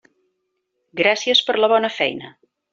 Gràcies per la bona feina.